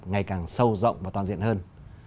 ngày càng sâu rộng và toàn diện hơn